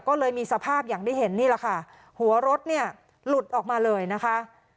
ก็เลยมีสภาพอย่างที่เห็นนี่แหละค่ะหัวรถเนี่ยหลุดออกมาเลยนะคะ